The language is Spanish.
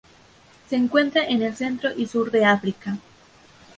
Se encuentra en el centro y sur de África.